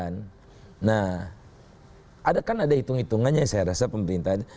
nah ada kan ada hitung hitungannya saya rasa pemerintah ini